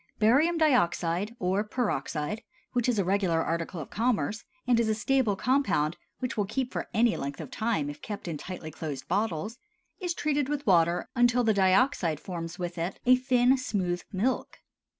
Barium dioxide (or peroxide), which is a regular article of commerce, and is a stable compound which will keep for any length of time if kept in tightly closed bottles, is treated with water until the dioxide forms with it a thin, smooth milk.